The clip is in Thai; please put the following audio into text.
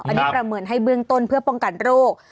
อันนี้ประเมินให้เบื้องต้นเพื่อป้องกันโรค